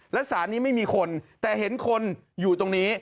และสารนี้ไม่มีคนแต่เห็นคนอยู่ตรงนี้